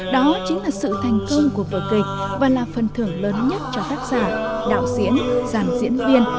đó chính là sự thành công của vở kịch và là phần thưởng lớn nhất cho tác giả đạo diễn giảm diễn viên